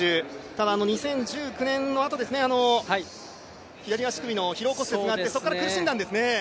ただ２０１９年のあと、左足首の疲労骨折があって、そこから苦しんだんですね。